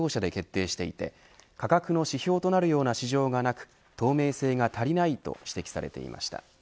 業者で決定していて価格の指標となるような市場がなく透明性が足りないと指摘されていました。